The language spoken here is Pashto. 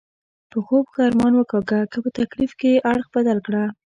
په خوب ښه ارمان وکاږه، که په تکلیف یې اړخ بدل کړه.